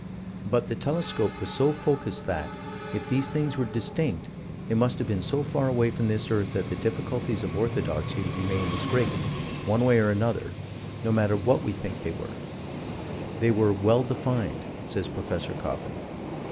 But the telescope was so focused that, if these things were distinct, they must have been so far away from this earth that the difficulties of orthodoxy remain as great, one way or another, no matter what we think they were They were "well defined," says Prof. Coffin.